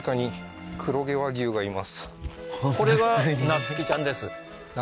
これはなつきちゃんですな